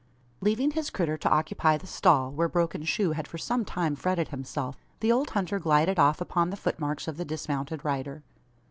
Leaving his critter to occupy the "stall" where broken shoe had for some time fretted himself, the old hunter glided off upon the footmarks of the dismounted rider.